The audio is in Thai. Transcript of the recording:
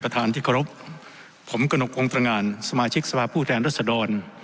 ประธานที่ครบผมกณกงวงตรงานสมาชิกสภาพผู้ดแดนรจแดน